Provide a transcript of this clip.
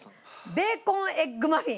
ベーコンエッグマフィン。